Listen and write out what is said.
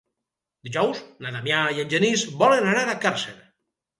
Dijous na Damià i en Genís volen anar a Càrcer.